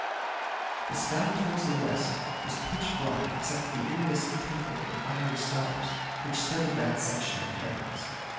The sky towards the west was pitch black except for the iridescent twinkle of the fiery stars which studded that section of the heavens.